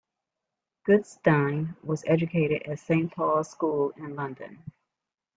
Goodstein was educated at Saint Paul's School in London.